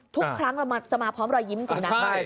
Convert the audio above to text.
ทุกครั้งเราจะมาพร้อมรอยยิ้มจริงนะ